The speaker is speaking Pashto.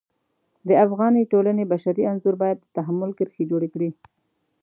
د افغاني ټولنې بشري انځور باید د تحمل کرښې جوړې کړي.